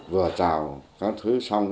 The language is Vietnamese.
vừa chào các thứ xong